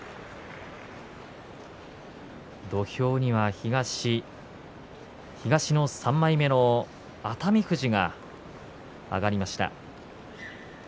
土俵には東東の３枚目の熱海富士が上がりました。